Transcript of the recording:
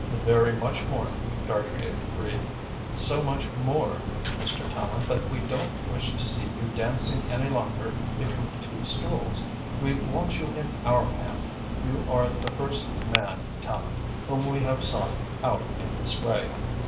"Very much more," Dartrey agreed. "So much more, Mr. Tallente, that we don't wish to see you dancing any longer between two stools. We want you in our camp. You are the first man, Tallente, whom we have sought out in this way.